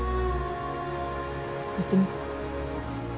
言ってみ。